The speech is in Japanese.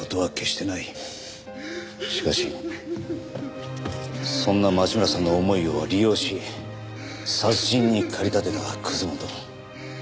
しかしそんな町村さんの思いを利用し殺人に駆り立てた本。